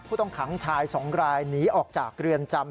ต้องขังชาย๒รายหนีออกจากเรือนจำ